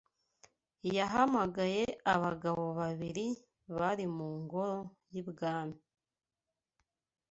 yahamagaye abagabo babiri bari mu ngoro y’ibwami